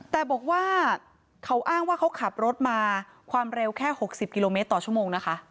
แต่บอกว่าเขาอ้างว่าเขาขับรถมาความเร็วแค่๖๐กิโลเมตรต่อชั่วโมงนะคะ